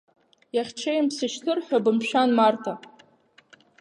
Иахьҽеим бсышьҭыр ҳәа бымшәан, Марҭа.